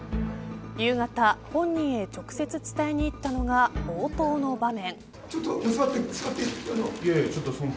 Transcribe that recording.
夕方、本人へ直接伝えに行ったのが冒頭の場面。